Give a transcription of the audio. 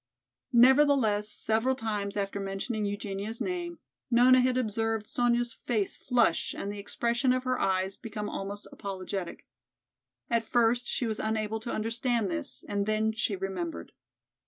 Nevertheless, several times, after mentioning Eugenia's name, Nona had observed Sonya's face flush and the expression of her eyes become almost apologetic. At first she was unable to understand this and then she remembered.